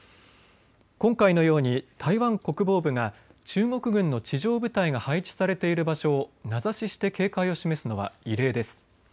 今回のように台湾国防部が中国軍の地上部隊が配置されている場所を名指しして警戒を示すのは異例です。